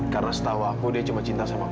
karena setahu aku dia cuma cinta sama aku